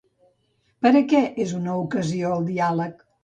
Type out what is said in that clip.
Per a què és una ocasió, el diàleg?